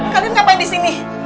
kalian ngapain disini